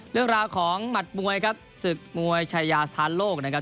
เรื่องราวของหมัดมวยครับศึกมวยชายาสถานโลกนะครับ